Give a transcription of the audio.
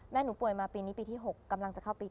หนูป่วยมาปีนี้ปีที่๖กำลังจะเข้าปี๒๕